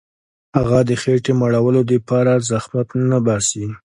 هغه د خېټي مړولو دپاره زحمت نه باسي.